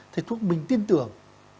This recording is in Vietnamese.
thầy thuốc mình tin tưởng